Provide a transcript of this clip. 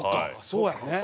そうやんね。